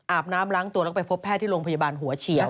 บน้ำล้างตัวแล้วไปพบแพทย์ที่โรงพยาบาลหัวเฉียง